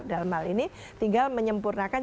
dalmal ini tinggal menyempurnakan